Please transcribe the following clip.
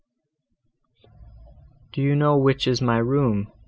"Do you know which is my room?"